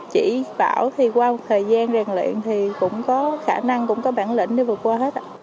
chỉ bảo thì qua một thời gian rèn luyện thì cũng có khả năng cũng có bản lĩnh để vượt qua hết ạ